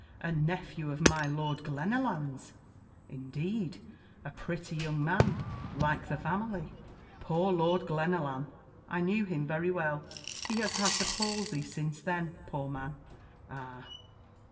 a nephew of my Lord Glenallan's! Indeed a pretty young man like the family! Poor Lord Glenallan! I knew him very well. He has had the palsy since then, poor man ah!"